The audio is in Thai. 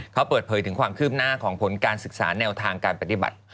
เขาเปิดเผยถึงความคืบหน้าของผลการศึกษาแนวทางการปฏิบัติ